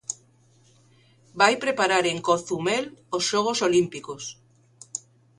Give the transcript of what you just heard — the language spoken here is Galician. Vai preparar en Cozumel os xogos olímpicos.